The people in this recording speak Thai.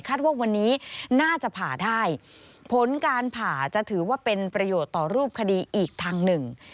ว่าวันนี้น่าจะผ่าได้ผลการผ่าจะถือว่าเป็นประโยชน์ต่อรูปคดีอีกทางหนึ่ง